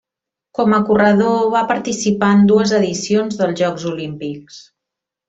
Com a corredor va participar en dues edicions dels Jocs Olímpics.